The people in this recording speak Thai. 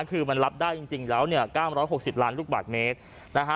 คือมันรับได้จริงจริงแล้วเนี่ยเก้ามร้อยหกสิบล้านลูกบาทเมตรนะฮะ